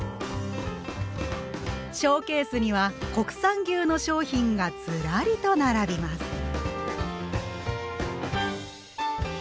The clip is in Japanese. ショーケースには国産牛の商品がずらりと並びます。